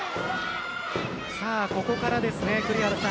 ここからですね、栗原さん。